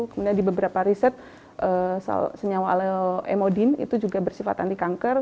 kemudian di beberapa riset senyawa aloe emodin itu juga bersifat antikanker